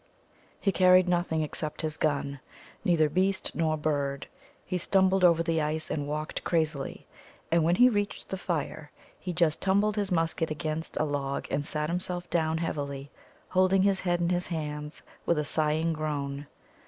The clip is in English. He carried nothing except his gun, neither beast nor bird. He stumbled over the ice, and walked crazily. And when he reached the fire, he just tumbled his musket against a log and sat himself down heavily, holding his head in his hands, with a sighing groan.